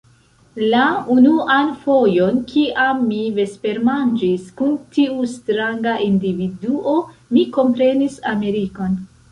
La unuan fojon, kiam mi vespermanĝis kun tiu stranga individuo, mi komprenis Amerikon.